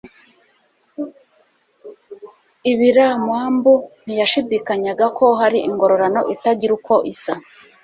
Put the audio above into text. ibiramambu ntiyashidikanyaga ko hari ingororano itagira uko isa